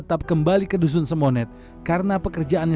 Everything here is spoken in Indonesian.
tapi beberapa aja nggak semuanya